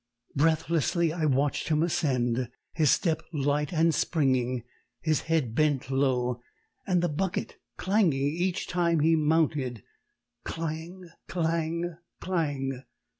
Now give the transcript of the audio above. Breathlessly I watched him ascend, his step light and springing, his head bent low, and the bucket clanging each time he mounted clang! clang! clang!